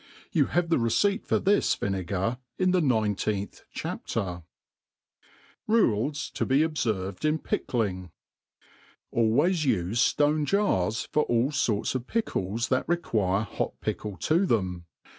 You have the receipt, for this vinegar in the . I ^th chapter; •...•.•[...^. RULES to be obfcrved in PICKLING. ALWAYS ufe ftonc jars for all forts of pickles that re* ^uire hot .pickle to tbem.